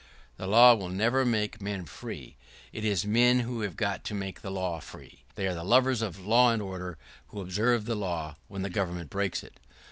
[¶21] The law will never make men free; it is men who have got to make the law free. They are the lovers of law and order who observe the law when the government breaks it.